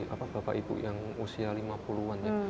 apa bapak ibu yang usia lima puluh an ya